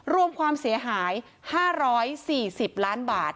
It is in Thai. รวมความเสียหาย๕๔๐ล้านบาท